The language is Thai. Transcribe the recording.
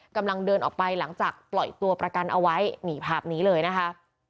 กำลังเดินออกไปหลังจากปล่อยตัวประกันเอาไว้นี่ภาพนี้เลยนะคะ